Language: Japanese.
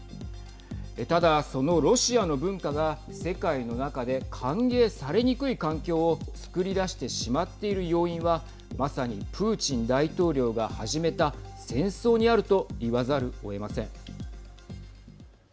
ただ、そのロシアの文化が世界の中で歓迎されにくい環境をつくりだしてしまっている要因はまさに、プーチン大統領が始めた戦争にあると言わざるをえません。